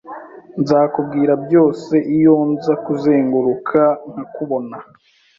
Nzakubwira byose iyo nza kuzenguruka nkakubona.